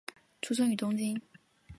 出生于东京。